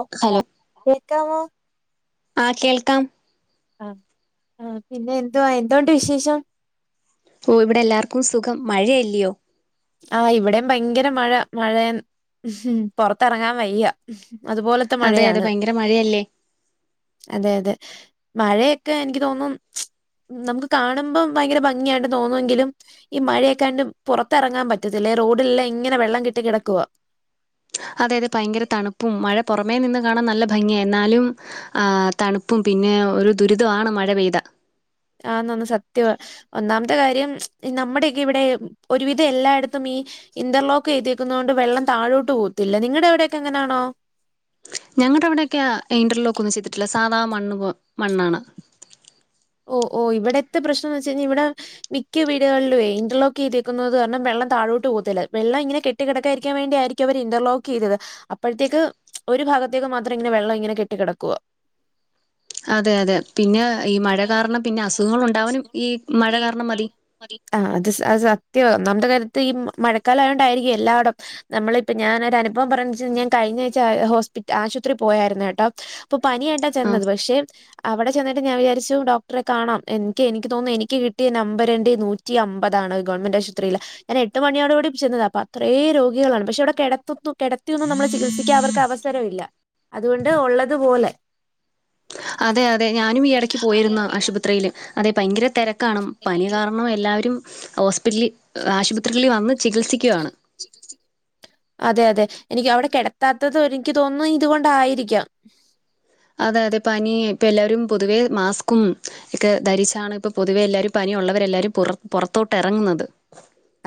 ഓഹ് കേക്കാമോ? ആഹ് കേൾക്കാം. ആഹ് ആഹ് പിന്നെ എന്തുവാ എന്തോണ്ട് വിശേഷം ഓഹ് വ്ടെ എല്ലാവർക്കും സുഖം മഴയല്യോ ആഹ് ഇവടെം ഭയങ്കര മഴ മഴയും പൊറത്തെറങ്ങാൻ വയ്യ അതുപോലത്തെ അതെ അതെ മഴയാണ്. ഭയങ്കര മഴയല്ലേ അതെ, അതെ മഴയൊക്കെ എനിയ്ക്ക് തോന്ന്ന്നു നമുക്ക് കാണുമ്പം ഭയങ്കര ഭംഗിയായിണ്ട് തോന്നുവെങ്കിലും ഈ മഴയൊക്കെണ്ട് പൊറ ത്തെറങ്ങാൻ പറ്റത്തില്ല ഈ റോഡില്ലാം ഇങ്ങനെ വെള്ളം കെട്ടി കെടക്കുവാ അതെ യതെ ഭയങ്കര തണുപ്പും മഴ പൊറമേ നിന്ന് കാണാൻ നല്ല ഭംഗിയ എന്നാലും ആഹ് തണുപ്പും പിന്നെ ഒരു ദുരിത ആണ് മഴ പെയ്ത ആന്നന്ന് സത്യവ ഒന്നാമത്തെ കാര്യം നമ്മുടെക്കെ ഇവിടെ ഒരുവിധം എല്ലായിടത്തും ഈ ഇന്റർലോക്ക് ചെയ്തേക്കുന്നോണ്ട് വെള്ളം താഴോട്ട് പോവത്തില്ല. നിങ്ങടെ അവിടെയൊക്കെ എങ്ങനാണോ ഞങ്ങടെ അവിടെയൊക്കെയാ ഇൻ്റർലോക്കൊന്നും ചെയ്തിട്ടില്ല സാധാ മണ്ണ് പോ മണ്ണാണ്. ഓഹ് ഓഹ് ഇവെടെത്തെ പ്രശ്നംന്ന് വെച്ച് കഴിഞ്ഞ് ഇവടെ മിക്ക വീടുകളിലുവേ ഇന്റർലോക്കെയ്തേക്കുന്നത് കാരണം വെള്ളം താഴോട്ട് പോകത്തില്ല. വെള്ളം ഇങ്ങനെ കെ ട്ടി കെടക്കായിരിയ്ക്കാൻ വേണ്ടിയായിരിയ്ക്കും അവര് ഇന്റർലോക്കെയ്തത് അപ്പഴ്ത്തേക്ക് ഒരു ഭാഗത്തേക്ക് മാത്രം ഇങ്ങനെ വെള്ളം ഇങ്ങനെ കെട്ടി കെടക്കുവാ അതെ അതെ പിന്നെ ഈ മഴ പിന്നെ ഈ കാരണം പിന്നെ അസുഖങ്ങൾ മഴക്കാലത്ത് ഉണ്ടാവനും അസുഖം ഈ മഴ കാരണം മതി മതി ആഹ് അത് സ് അത് സത്യാ ഒന്നാമത്തെ കാര്യത്ത് ഈ മ മഴക്കാലായോണ്ടായിരിയ്ക്കും എല്ലായിടം നമ്മളിപ്പ ഞാനൊരനുഭവം പറയാന്ന്ച്ചാ ഞാൻ കഴിഞ്ഞാഴ്ച ഹോസ്പിറ്റ ആശുപത്രി പോയായിരുന്നു കേട്ടോ പ്പൊ പനിയായിട്ടാ ആ ചെന്നത്, പക്ഷെ അവടെ ചെന്നിട്ട്ഞാൻ വിചാരിച്ചു റ്റവും ഡോക്ടറെ കാണാം എനിയ്ക്ക് എനിയ്ക്ക് തോന്നുന്നു എനിയ്ക്ക് കിട്ടിയ നമ്പര്ണ്ട് നൂറ്റി അമ്പതാണ് ഗവൺമെന്റ് ആശുപത്രിയില് ഞാനെ എട്ട് മണിയോട് കൂടി ചെന്നതാ അപ്പ അത്രേ രോഗികളാണ് പക്ഷെ അവടെ കെടത്തുന്നു കിടത്തിയൊന്നും നമ്മളെ ചികിത്സിക്കാൻ അവർക്ക് അവസ് സരവില്ല അതുകൊണ്ട് ഉള്ളത്പോലെ അതെ യതെ ഞാനും ഈ എടയ്ക്ക് അതെ പോയിരുന്നു അതെ ആശുപത്രിയില് അതെ ഭയങ്കര തെര കാണും, പനി ഞാൻ കാരണം എല്ലാവരും ഹോസ്പിറ്റലി ആശുപത്രികളിൽ വന്ന് ചികിത്സിയ്ക്കുവാണ്. ചികിത്സി അതെ, അതെ എനിയ്ക്ക് അവടെ കെടത്താത്തത് ഓര് എനിക്ക് തോന്നുന്നു ഇതുകൊണ്ടായിരിക്കാം. അതെ അതെ പനി ഇപ്പൊ എല്ലാവരും പൊതുവേ മാസ്ക്കും ഒക്കെ ധരിച്ചാണ് ഇപ്പൊ പൊതുവെ എല്ലാവരും പനിയുള്ളവരെല്ലാവരും പുറ പൊറത്തോട്ടെറങ്ങുന്നത്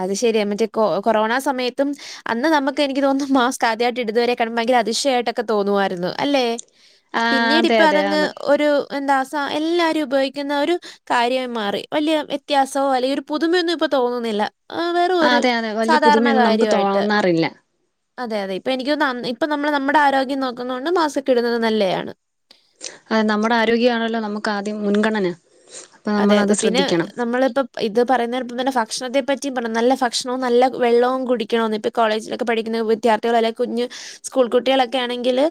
അത് ശെരിയാ മറ്റേ കൊ കൊറോണ സമയത്തും അന്ന് നമുക്ക് എനിയ്ക്ക് തോന്നുന്നു മാസ്ക് ആദ്യായിട്ട് ഇടുതുവരെകാണുമ്പം ഭയങ്കര അതിശയായ്ട്ടൊക്കെ തോന്നുവായിരുന്നു അല്ലെ ആ അതെ പിന്നീടിപ്പൊ അതെ അതങ്ങ് ആണ് ഒരു എന്താ സാ എല്ലാരും ഉപയോഗിക്കുന്ന ഒരു കാര്യായി മാറി വലിയ വ്യത്യാസോ അല്ലെങ്കി ഒരു പുതുമയൊന്നും ഇപ്പൊ തോന്നുന്നില്ല ആഹ് വെറു ആ ഒരു അതെ അതെ വലിയ സാധാരണ പുതുമയൊന്നും നമുക്ക് കാര്യായിട്ട് തോന്നാറില്ല അതെ യതെ ഇപ്പൊ എനിയ്ക്ക് തോന്നുന്നു അ ഇപ്പം നമ്മൾ നമ്മടെ ആരോഗ്യം നോക്കുന്നോണ്ടും മാസ്‌ക്കൊക്കെടുന്നത് നല്ലെയാണ്. ആഹ് നമ്മുടെ ആരോഗ്യ ആണല്ലോ നമുക്ക് ആദ്യം മുൻഗണന അപ്പം അതെ നമ്മളത് അതെ പിന്നെ ശ്രദ്ധിക്കണം നമ്മളിപ്പം ഇത് പറയുന്നേനൊപ്പം തന്നെ ഫക്ഷണത്തെ പറ്റിയും പറയണം. നല്ല ഫക്ഷണവും നല്ല വെള്ളവും കുടിയ്ക്കണോന്ന് പ്പ കോളേജിലൊക്കെ പഠിക്കുന്ന വിദ്യാർത്ഥികൾ അല്ലെങ്ക കുഞ്ഞു സ്കൂൾ കുട്ടികളൊക്കെ ആണെങ്കില്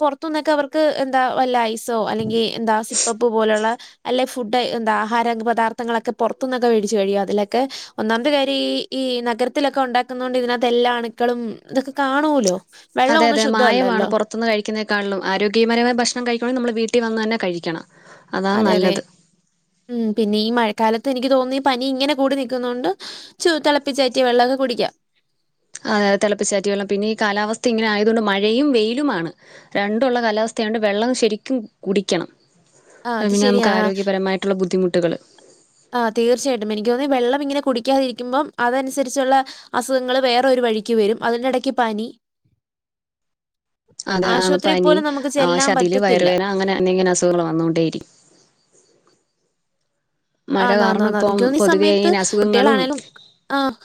പുറത്ത നിന്നൊക്കെ അവർക്ക് എന്താ വല്ല ഐസോ അല്ലെങ്കി എന്താ സിപ്പപ്പ് പോലെയുള്ള അല്ല ഫുഡ് എന്താ ആഹാര പദാർത്ഥങ്ങളൊക്കെ പുറത്തുന്നൊക്കെ മേടിച്ചു കഴിയും അതിലൊക്കെ ഒന്നാമത്തെ കാര്യം ഈ ഈ നഗരത്തിലൊക്കെ ഉണ്ടാക്കുന്നതൊണ്ട് ഇതിനകത്ത് എല്ലാ അണുക്കളും ഇതൊക്കെ കാണൂലോ അതെ അതെ മായമാണ് പുറത്ത് പുരത്തന്ന് കഴിക്കുന്നതിനക്കാലും ആരോഗ്യപരമായ ഭക്ഷണം കഴിക്കണെകി നമ്മൾ വീട്ടിൽ വന്ന് തന്നെ കഴിക്കണം അതാണ് അതെ അതെ നല്ലത് ഉം പിന്നെ ഈ മഴക്കാലത്ത് എനിക്ക് തോന്നി പനി ഇങ്ങനെ കൂടി നിൽക്കുനോണ്ട് തിളപ്പിച്ചാറ്റിയ വെള്ളമൊക്കെ കുടിക്കാം അ തിളപ്പിച്ചാറ്റി വെള്ളം പിന്നെ ഈ കാലാവസ്ഥ ഇങ്ങനെ ആയതുകൊണ്ട് മഴയും വെയിലുമാണ് രണ്ടുള്ള കാലാവസ്ഥയായ്യോണ്ട് വെള്ളം ശരിക്കും കുടിക്കണം ആ അ അത് പിന്നെ ശരിയാ. നമുക്ക് ആ ആരോഗ്യപരമായി മറ്റുള്ള ബുദ്ധിമുട്ടുകൾ ആ തീർച്ചയായിട്ടും എനിക്ക് തോനുന്നു വെള്ളം ഇങ്ങനെ കുടിക്കാതിരിക്കുമ്പോം അതനുസരിച്ചുള്ള അസുഖങ്ങള് വേറെ ഒരു വഴിക്ക് വരും അതിനിടക്ക് പനി അതെ ആശുപത്രിയിൽ പനി പോലും നമുക്ക് ആ ചെല്ലാൻ സർതില് പറ്റത്തില്ല. വയറുവേന അങ്ങനെ എന്തെങ്കിലും അസുഖങ്ങൾ വന്നോണ്ടേരിക്കും മഴ കാരണം ആന്നാന്നാന്ന്. ഇപ്പം എനിക്ക് പൊതുവെ ഇങ്ങനെ അസുഖങ്ങളും ആഹ്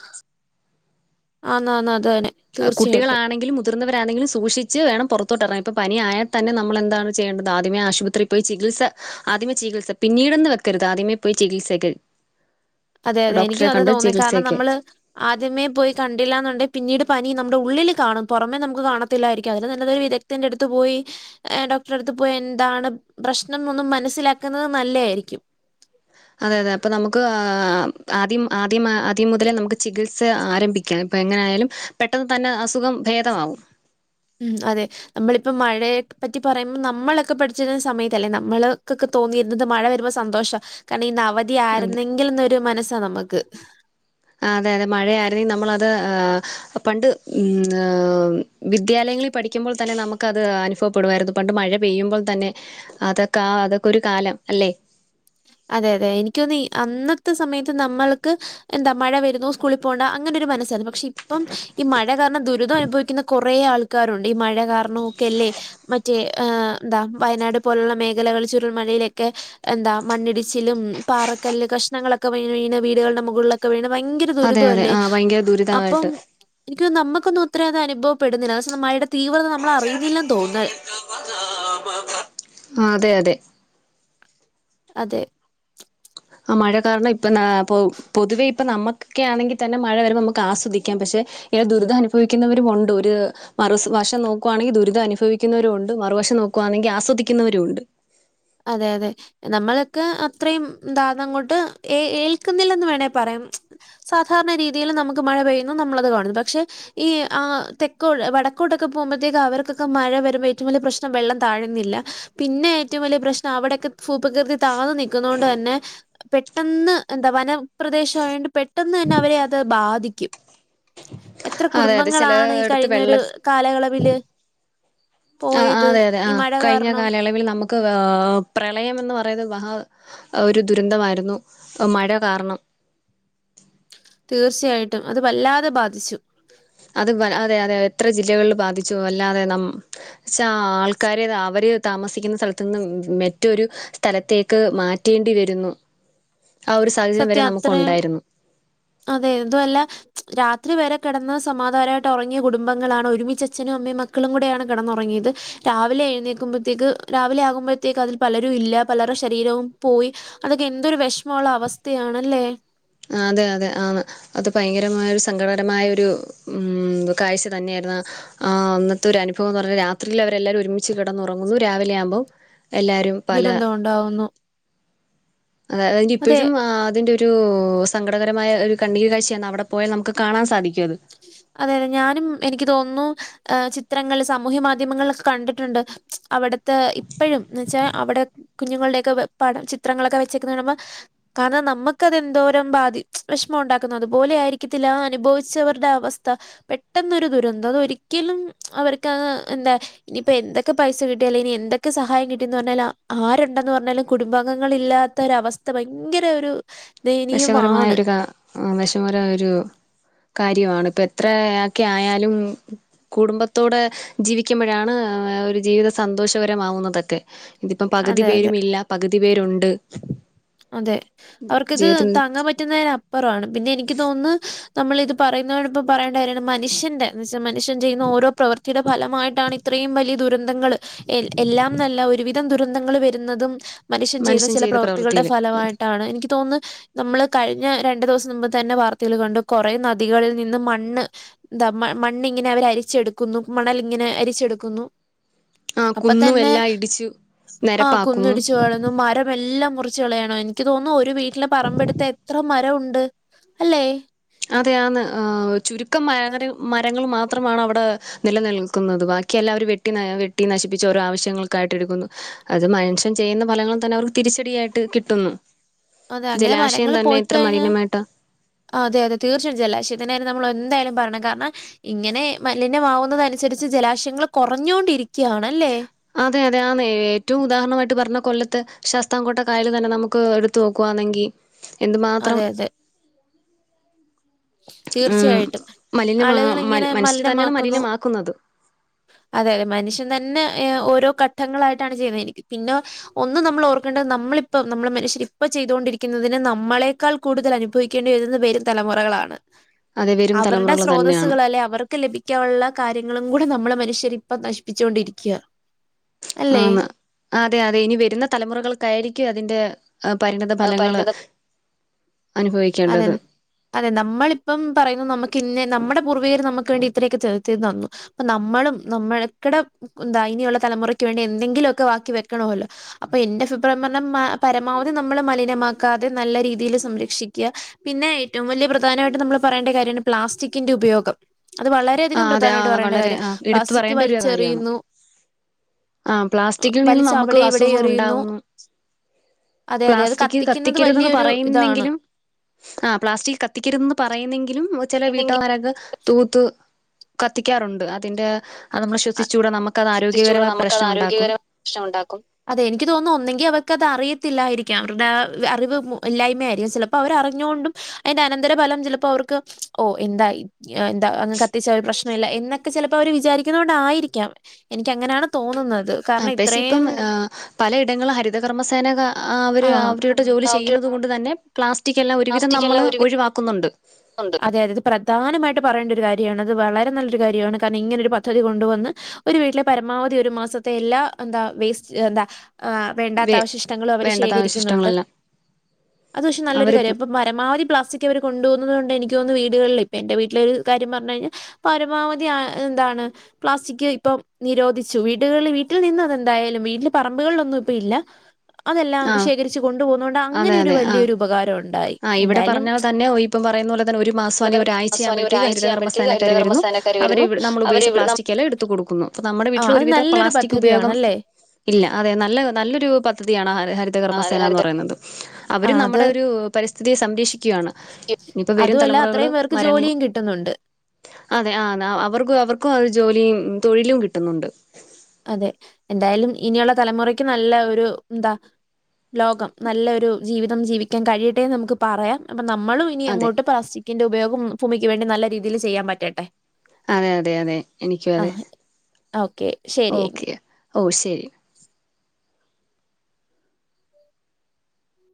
ആന്ന ആഹ്ന്ന അതന്നെ കുട്ടികളാണെങ്കിലും മുതിർവരാണെങ്കിലും സൂക്ഷിച്ച് വേണം പുറത്തോട്ട ഇറങ്ങന് ഇപ്പോൾ പനിയായാൽ തന്നെ നമ്മെന്താണ് ചെയേണ്ടത് ആദ്യമേ ആശുപത്രിയിൽ പോയി ചികിത്സ ആദ്യമേ ചികിത്സ പിന്നീട്ന്ന് വെക്കരുത് ആദ്യമേ പോയി ചികിത്സക്ക് അതെ അതെ എനിക്കും അത് തോന്നി കാരണം ചികിത്സയ്ക്ക് നമ്മള് ആദ്യമേ പോയി കണ്ടില്ല എന്നുണ്ടെകിൽ പിന്നീട് പനി നമ്മുടെ ഉള്ളിൽ കാണും പുറമെ നമുക്ക് കാണത്തില്ലായിരിക്കു അതിന് നല്ല ഒരു വിദഗ്ധം തന്റെടുത് പോയി ഡോക്ടറെ അടുത്ത് പോയി എന്താണ് പ്രശ്നം എന്ന് മനസ്സിലാക്കുന്നത് നല്ലയായിരിക്കും അതെ അതെ അപ്പൊ നമുക്ക് ആദ്യം ആദ്യം ആദ്യം മുതലേ നമുക്ക് ചികിത്സ ആരംഭിക്കും ഇപ്പെ എങ്ങനെ ആയാലും പെട്ടെന്ന് തന്നെ അസുഖം ഭേദമാവും ഉം അതെ നമ്മളിപ്പ മഴയെ പറ്റി പറയുമ്പോൾ നമ്മളൊക്കെ പഠിച്ചിരുന്ന സമയത്ത് അല്ലെ നമ്മൾക്കൊക്കെ തോന്നിയിരുന്നത് മഴ വരുമ്പോ സന്തോഷ കാരണം ഇന്ന് അവതി അതെ ആരുന്നെങ്കിൽ എന്നൊരു മനസ്സാ നമുക്ക് അതെ അതെ മഴയായിർന്ന നമ്മളത് പണ്ട് ഉം വിദ്യാലയങ്ങളിൽ പഠിക്കുമ്പോൾ തന്നെ നമുക്ക് അത് അനുഭവപ്പെടുവായിരുന്നു പണ്ട് മഴ പെയ്യുമ്പോൾ തന്നെ അതൊക്കെ അതൊക്കെ ഒരു കാലം അല്ലെ അതെ അതെ എനിക്ക് തോനുന്നു അന്നത്തെ സമയത്ത് നമ്മൾക്ക് എന്താ മഴ വരുന്നു സ്കൂളിൽ പോണ്ട അങ്ങനെ ഒരു മനസല്ലെ പക്ഷെ ഇപ്പം ഈ മഴാകാ ദുരിതം അനുഭവിക്കുന്ന കുറെ ആൾക്കാരുണ്ട് ഈ മഴ കാരണൊക്കല്ലേ മറ്റ് എന്താ വയനാട് പോലുള്ള മേഖലകൾ ചുരുൾ മഴയിലൊക്കെ എന്താ മണ്ണിടിച്ചിലും പാറക്കല് കഷ്ണങ്ങളൊക്കെ വണ് വീടുകളുടെ മുകളിലൊക്കെ വീണ് ഭയങ്കര അതെ അതെ ദുരിതല്ലേ ആ ഭയങ്കര അപ്പം ദുരിതമായിട്ട് എനിക്ക് തോനുന്നു നമുക്കൊന്നും ഒത്തിരി അനുഭവപ്പെടുന്നില്ല തീവ്രത നമ്മൾ അറിയുന്നില്ലെന്ന് തോന്നുന്നു. ആഹ് അതെ അതെ അതെ ആ മഴ കാരണം ഇപ്പം പൊതുവെ ഇപ്പം നമുകക്കെ ആണെങ്കിൽ തന്നെ മഴ വരുമ്പോ നമുക്ക് ആസ്വദിക്കാം പക്ഷേ ഇങ്ങനെ ദുരിതം അനുഭവിക്കുന്നവരു ഉണ്ട് ഒരു മറു വശം നോക്കുവാണെങ്കിൽ ദുരിത അനുഭിക്കുന്നരും ഉണ്ട് മറുവശം നോക്കുവാണങ്കിൽ ആസ്വദിക്കുന്നവരും ഉണ്ട് അതെ അതെ നമ്മളക്ക് അത്രയും ദാദങ്ങോട്ട് ഏൽക്കുന്നില്ലന്ന് വേണെ പറയാം സാധാരണ രീതിയിൽ നമുക്ക് മഴ പെയ്യുന്ന നമ്മളത് കാണുന്നു പക്ഷെ ഈ ആ തെക്കോട് വടക്കോടൊക്കെ പോകുമ്പോഴത്തേക്ക് അവർക്കൊക്കെ മഴ വരുമ്പോ ഏറ്റവും വലിയ പ്രശ്നം വെള്ളം താഴ്ന്നില്ല പിന്നെ ഏറ്റവും വലിയ പ്രശ്നം അവിടെക്കെ ഫൂ പ്രകൃതി താന്ന് നിക്ക്ന്നാേണ്ട് തന്നെ പെട്ടെന്ന് എന്താ വനം പ്രദേശായോണ്ട് പെട്ടെന്ന് തന്നെ അവരെ അത് ബാധിക്കും എത്ര അതെ അതെ കുടുംബങ്ങളാണ് ഈ ചിലയിടത്ത് കഴിഞ്ഞൊരു കാലയളവില് ആഹ് ആഹ് പോയത് അതെ അതെ ഈ ആഹ് മഴ കഴിഞ്ഞ കാരണം. കാലയളവിൽ നമ് ക്ക് പ്രളയമെന്ന് പറയ്ന്നത് മഹാ ഒരു ദുരന്തമായ്ര്ന്നു മഴ കാര്ണം തീർച്ചയായിട്ടും അത് വല്ലാതെ ബാധിച്ചു അത് ബ അതെ അതെ എത്ര ജില്ലകൾല് ബാധിച്ചു വല്ലാതെ നം ച്ചാ ആഹ് ആൾക്കാര് അവര് താമസിക്ക്ന്ന സ്ഥലത്ത്ന്ന് മ് മെറ്റൊരു സ്ഥലത്തേക്ക് മാറ്റേണ്ടി വെര്ന്നു സത്യാ അത്രേം അതെ ഇതുവല്ലാ രാത്രി വെരെ കെടന്ന് സമാധാനായ്ട്ട് ഒറങ്ങിയ കുടുംബങ്ങളാണ് ഒരുമിച്ചച്ഛനു അമ്മയും മക്കളും കൂടെയാണ് കെടന്നൊറങ്ങിയ്ത് രാവിലെ എഴ്ന്നേക്ക്മ്പത്തേക്ക് രാവിലെ ആകുമ്പഴ്‌ത്തേക്ക് അതിൽ പലരും ഇല്ലാ പലറ്ടെ ശരീരവും പോയി അതാെക്കെ എന്തൊരു വെഷ്മോള്ള അവസ്ഥയാണ് അല്ലേ ആഹ് അതെ അതെ ആന്ന് അത് ഭയങ്കരമായൊരു സങ്കടകരമായൊരു ഉം കാഴ്ച തന്നെയായ്ര്ന്നു ആഹ് ആഹ് അന്നത്തെ ഒരനുഭവംന്ന് പർഞ്ഞാ രാത്രിലവരെല്ലാവരും ഒരുമിച്ച് കെടന്നാെറങ്ങുന്നു രാവിലെ ആവുമ്പം എല്ലാരും ദുരന്തം ഒണ്ടാവുന്നു അതെ അതിന്റിപ്പെഴും ആഹ് അതിന്റെ രൂ സങ്കടകരമായ ഒര് കണ്ണീര് കാഴ്ച്ചയാന്ന് അവ്ട പോയാ നമ്ക്ക് കാണാൻ സാധിക്കുവത് അതെ അതെ ഞാനും എനിക്ക് തോന്ന്ന്നു ഏഹ് ചിത്രങ്ങൾ സമൂഹ്യ മാധ്യമങ്ങൾലാെക്ക കണ്ടിട്ട്ണ്ട് അവ്ട്ത്തെ ഇപ്പഴും ന്ന് വെച്ചാ അവ്ടെ കുഞ്ഞുങ്ങൾടൊയെക്ക വ് പടം ചിത്രങ്ങളെക്ക വെച്ചേക്ക്ന്ന കാണ്‌മ്പം കാരണം നമ്മക്കതെന്തോരം ബാധി വെഷ്മോണ്ടാക്കുന്ന് അതുപോലെ ആയിരിക്കത്തില്ലാ ആ അനുഭവി ച്ചവർടെ അവസ്ഥ പെട്ടെന്നൊരു ദുരന്തം അതൊരിക്കലും അവര്ക്കത് എന്താ ഇനീപ്പ എന്തക്ക പൈസ കിട്ട്യാല് ഇനി എന്തെക്ക സഹായം കിട്ടീന്ന് പർഞ്ഞാല് അ ആര്ണ്ടെന്ന് പർഞ്ഞാലും കുടുബാംഗങ്ങളില്ലാ ത്താെരവസ്ഥ ഭയ്ങ്കെര ഒരു വെഷമരമായ ദയനീയമാണ്. ഒരു കാ ആഹ് വെഷമകരായൊരു കാര്യവാണ് ഇപ്പ എത്രെ അക്കെ ആയാലും കുടുംബത്തോടെ ജീവിക്ക്മ്പഴാണ് ഒര് ജീവിത സന്തോഷകരമാവുന്നതെക്കെ ഇതിപ്പം പക്‌തി അതെ അതെ പേരും ഇല്ല പക്‌തി പേരുണ്ട് അതെ അവർക്കിത് ജീവിതത്തിൽ താങ്ങാം പറ്റുന്നേന പ്പറവാണ് പിന്നെ എനിക്ക് തോന്ന്ന്ന് നമ്മളിത് പറയ്ന്നെനോടാെപ്പം പറെയേണ്ട കാര്യാണ് മന്ഷ്യന്റെ ന്ന് വെച്ചാ മനുഷ്യൻ ചെയ്യ്ന്ന ഓരോ പ്രവർത്തീടെ ഭലമായിട്ടാണ് ഇത്രേയും വലിയ ദുരന്തങ്ങള് എ എല്ലാംന്നല്ലാ ഒര് വിധം ദുരന്തങ്ങൾ വെര്ന്നതും മനുഷ്യൻ ചെയ്ത ചെല പ്രവർത്തികൾടെ ഫലമായ് ട്ടാണ് എനിക്ക് തോന്ന് നമ്മള് കഴിഞ്ഞ രണ്ട് ദ്‌വ്സം നുമ്പ് തന്നെ വാർത്തേല് കണ്ടു കാെറേ നദികൾൽ നിന്ന് മണ്ണ് താ മ മണ്ണിങ്ങെനെ അവെരരിച്ചെട്ക്കുന്നു മണല്ങ്ങെനെ അരിച്ചെട്ക്കുന്നു ആ അപ്പ തന്നെ കുന്നുമെല്ലാം ഇടിച്ചു ആഹ് നിരപ്പാക്കുന്നു കുന്നിടിച്ച് കളെന്നു മരമെല്ലാം മുറി ച്ച് കളയാണോ എനിക്ക് തോന്ന്ന്നു ഒര് വീട്ട്ലെ പറമ്പെട്ത്താ എത്ര മരവുണ്ട് അല്ലേ അതെ ആന്ന് ആഹ് ചുരുക്കം മാ ഒര് മരങ്ങൾ മാത്രമാണ് അവ്ടേ നിലനിൽക്കുന്നത് ബാക്കി എല്ലാം അവര് വെട്ടി ന വെട്ടി നശിപ്പിച്ച്‌ ഓരോ ആവശ്യങ്ങൾക്കായ്ട്ട് എട്ക്കുന്നു അത് മനുഷ്യൻ ചെയ്യ്ന്ന ബലങ്ങൾ തന്നെ അവർക്ക് തിരിച്ചടിയായ്ട്ട് കിട്ട്ന്നു അതെ. അങ്ങനെ ജലാശയം തന്നെ എത്ര മലിനമായ്ട്ടാ ആഹ് അതെ അതെ തീർച്ചയാ ജലാശയത്തിന്റെ കാര്യം നമ്മള് എന്തായാലും പറയണം കാര്ണം ഇങ്ങനെ മലിനമാവുന്നതനുസരിച്ച് ജലാശയങ്ങള് കൊറഞ്ഞൊണ്ടിരിക്കയാണല്ലേ അതെ അതെ ആന്നെ ഏറ്റവും ഉദാഹരണമാട്ട് പറഞ്ഞ കൊല്ലത്ത് ശാസ്താംകൊട്ട കായല് തന്നെ നമുക്ക് എട്ത്ത് നോക്കുവാണെങ്കി എന്ത്മാത്രം അതെ, അതെ. തീർച്ചയായിട്ടും മലിനമാ ആളുകള് മൽ ഇങ്ങനെ മനുഷ്യര് തന്നെയാണ് മലിനമാക്കുന്നു മലിനമാക്കുന്നത്. അതെ അതെ മനുഷ്യൻ തന്നെ ഓരോ ഘട്ടങ്ങളാട്ടാണ് ചെയ്യുന്നത് എനിക്ക് പിന്നോ ഒന്നും നമ്മളോർക്കേണ്ടത് നമ്മളിപ്പ നമ്മള് മനുഷ്യര് ഇപ്പ ചെയ്തോണ്ടിരിക്കുന്നതിന് നമ്മളെക്കാൾ കൂടുതൽ അനുഭവിക്കെണ്ടി വെരുന്നെ വെരും തലമുറളാണ് അത് വരും അവര്ടെ തലമുറകൾ തന്നെയാണ്. സ്രോതസ്സുകളല്ലെ അവർക്ക് ലഭി ക്കാനുള്ള കാര്യങ്ങളും കൂടി നമ്മള് മനുഷ്യര് ഇപ്പ നശിപ്പിച്ച്‌ കൊണ്ടിരിക്ക ആന്ന് അതെ അതെ ഇനി വെരുന്ന തലമുറകൾക്കായിരിക്കും അതിന്റെ അ പരിണിത ഫലങ്ങള് അനുഭവിക്കേണ്ടത് അതെന്നെ അതെ നമ്മളിപ്പം പറയുന്നു നമുക്ക് ഇന്ന നമ്മുടെ പൂർവികർ നമുക്ക് വേണ്ടി ഇത്രയൊക്കെ ചെർത്തിത് തന്നു അപ്പൊ നമ്മളും നമ്മൾക്കടെ ന്താ ഇനിയുള്ള തലമുറയ്ക്ക് വേണ്ടി എന്തെങ്കിലും ഒക്കെ ബാക്കി വെക്കണമല്ലോ അപ്പൊ എന്റെ [unintelligible] പരമാവധി നമ്മള് മലിനമാക്കാതെ നല്ല രീതിയിൽ സംരക്ഷിക്ക പിന്നെ ഏറ്റവും വലിയ പ്രധാനമായിട്ട് നമ്മൾ പറയേണ്ട കാര്യമാണ് പ്ലാസ്റ്റിക്കിന്റെ ഉപയോഗം അത് ആ വളരെയധികം അതെ ആ പ്രധാനമായിട്ട് പറയേണ്ട വളരെ കാര്യം ആ എടുത്തു പ്ലാസ്റ്റിക് പറയേണ്ട ഒരു കാര്യമാണ് വലിച്ചെറിയുന്നു ആ പ്ലാസ്റ്റിക്കിൽ നിന്ന് വലിച്ച് നമുക്ക് അവിടെ ഇവിടെ അസുഖങ്ങൾ എറിയുന്നു ഉണ്ടാവുന്നു അതെ അതെ അത് പ്ലാസ്റ്റിക് കത്തിക്കുന്നത് കത്തിക്കരുതെന്ന് വലിയൊരു ഇതാണ് പറയുന്നെങ്കിലും ആ പ്ലാസ്റ്റിക് കത്തിക്കരുതന്ന് പറയുന്നെങ്കിലും ചെല ഇല്ലെങ്കിൽ വീട്ടമാരൊക്കെ തൂത്ത് കത്തിക്കാറുണ്ട് അതിന്റെ അത് നമ്മൾ ശ്വസിച്ചുകൂട നമുക്കത് ആരോഗ്യകരമായ പ്രശ്നം ഉണ്ടാക്കും പ്രശ്നമുണ്ടാക്കും അതെ എനിക്ക് തോന്നും ഒന്നെങ്കി അവർക്ക് അത് അറിയത്തില്ലായിരിക്കാം അവരുടെ അറിവ് ഇല്ലായ്മ ആയിരിക്കാം ചില അപ്പൊ അവരറിഞ്ഞുകൊണ്ടും അതിന്റെ അനന്തരഫലം ചിലപ്പോ അവർക്ക് ഓ എന്തായി എന്താ അങ് കത്തിച്ച ഒരു പ്രശ്നമല്ല എന്നൊക്കെ ചിലപ്പോ അവര് വിചാരിക്ക കൊണ്ടായിരിക്കാം എനിക്ക് അങ്ങനെയാണ് തോന്നുന്നത് കാരണം പക്ഷെ ഇപ്പം ഇത്രയും പലയിടങ്ങളും ഹരിതകർമ്മസേന അവര് ആ അവരുടെ ജോലി ചെയ്യുന്നുന്നത് കൊണ്ട് തന്നെ പ്ലാസ്റ്റിക് എല്ലാം ഒരുവിധം പ്ലാസ്റ്റിക് നമ്മൾ എല്ലാം ഒരു ഒഴിവാക്കുന്നുണ്ട് അതെ അതെത് പ്രധാനമായിട്ട് പറയേണ്ട ഒരു കാര്യമാണ് അത് വളരെ നല്ലൊരു കാര്യമാണ് കാരണം ഇങ്ങനെ ഒരു പദ്ധതി കൊണ്ടുവന്ന് ഒരു വീട്ട്ലെ പരമാവധി ഒരു മാസത്തെ എല്ലാ എന്താ വേസ്റ്റ് എന്താ വേണ്ടാത്ത വേ അവശിഷ്ടങ്ങളും അവര് വേണ്ടാത്ത ശേഖരിക്കുന്നുണ്ട് അവശിഷ്ടങ്ങളെല്ലാം അത് പക്ഷെ നല്ലൊരു കാര്യ അവരിപ്പം പരമാവധി പ്ലസ്റ്റിക്ക് അവര് കൊണ്ട് പോകുന്നത് കൊണ്ട് എനിക്ക് തോന്നുന്നു വീടുകളിൽ ഇപ്പ എന്റെ വീട്ടിലരു കാര്യം പറഞ്ഞു കഴിഞാൽ പരമാവധി ആ എന്താണ് പ്ലാസ്റ്റിക് ഇപ്പൊ നിരോധിച്ചു വീടുകളിൽ വീട്ടിൽ നിന്ന അതെന്തായാലും വീട്ടെ പറമ്പുകളിലൊന്നും ഇപ്പ ഇല്ല അതെല്ലാം ആ ശേഖരിച്ച് കൊണ്ടുപോന്നത് കൊണ്ട് അങ്ങനെ അതെ ഒരു അതെ ആഹ് വലിയൊരു ഉപകാരം ഉണ്ടായി എന്തായാലും ഇപ്പ പറയുന്നപോലെ അതുപോലെ ഒരുമാസം തന്നെ ആസ്വാനി ഒരാഴ്ച്യമ്പഴത്തേക്ക് ഒരാഴ്ചയാകുമ്പോഴത്തേക്ക് ഹരിതകർമ്മസേനാകാര് വരുന്നു ഹരിതകർമ്മസേനക്കാർ അവർ വരുന്നു നമ്മൾ അവര് ഉപയോഗിച്ച ഇവിടെ പ്ലാസ്റ്റി നമ്മ- എല്ലാം എടുത്ത് കൊടുക്കുന്നു അപ്പ നമ്മുടെ ആ വീട്ടിൽ അത് ഒരുവിധ നല്ലൊരു പ്ലാസ്റ്റിക് ഉപയോഗം പദ്ധതിയാണല്ലേ ഇല്ല അതെ നല്ല നല്ലൊരു പദ്ധതിയാണ് ആ ഹരി ആ, ഹരിതകർമ്മസേന എന്ന് ഹരിത പറയുന്നത് അവർ ആ അത് നമ്മുടെ ഒരു പരിസ്ഥിതിയെ സംരക്ഷിക്കുകയാണ് ഇനിയിപ്പൊ വരും അതുമല്ല തലമുറകൾ അത്രയും പേർക്ക് മരങ്ങ ജോലിയും കിട്ടുന്നുണ്ട് അതെ ആഹ് അവർക്ക് അവർക്കും ആ ജോലിയും തൊഴിലും കിട്ടുന്നുണ്ട് അതെ എന്തായാലും ഇനിയുള്ള തലമുറക്ക് നല്ല ഒരു എന്താ ലോകം നല്ലൊരു ജീവിതം ജീവിക്കാൻ കഴിയട്ടെ നമുക്ക് പറയാം അപ്പൊ നമ്മളും ഇനി അതെ അങ്ങോട്ട് പ്ലാസ്റ്റിക്കിന്റെ ഉപോഗം ഭൂമിക്ക് വെണ്ടി നല്ല രീതിയിൽ ചെയ്യാൻ പറ്റട്ടെ അതെ അതെ അതെ എനിക്കും ആ അതെ ഓക്കെ ശരി എങ്കിൽ ഓക്കെ ഓ ശരി